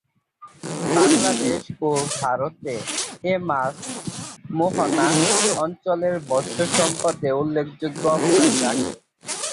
বাংলাদেশ ও ভারতে এ মাছ মোহনা অঞ্চলের মৎস্য সম্পদের উল্লেখযোগ্য অবদান রাখে।